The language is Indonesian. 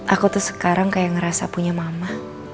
aku tuh sekarang kayak ngerasa punya mama